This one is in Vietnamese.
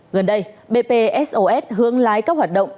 gần đây bpsos hướng lái các hoạt động